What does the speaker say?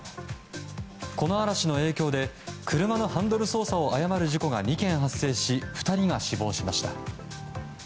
この嵐の影響で車のハンドル操作を誤る事故が２件発生し２人が死亡しました。